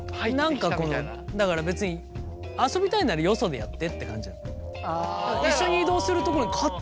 何かだから別に遊びたいならよそでやってって感じなの。